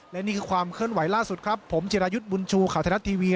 และนี่คือความเคลื่อนไหวล่าสุดครับผมจิรายุทธ์บุญชูข่าวไทยรัฐทีวี